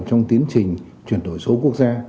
trong tiến trình chuyển đổi số quốc gia